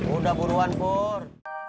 udah buruan pur